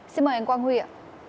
xin mời anh quang huy ạ